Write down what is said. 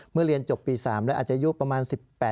เมื่อเรียนจบปี๓อาจอายุประมาณ๑๘๑๙